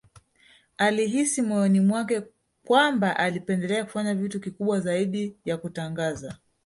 Alihisi moyoni mwake kwamba alipendelea kufanya kitu kikubwa zaidi ya kutangaza